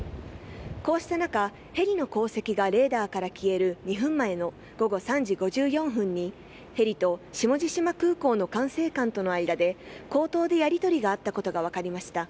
こうした中、ヘリの航跡がレーダーから消える２分前の午後３時５４分に、ヘリと下地島空港の管制官との間で口頭でやり取りがあったことが分かりました。